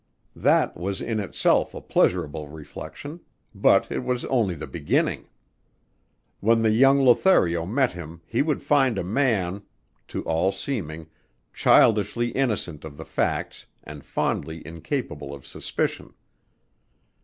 That was in itself a pleasurable reflection but it was only the beginning. When the young Lothario met him he would find a man to all seeming childishly innocent of the facts and fondly incapable of suspicion.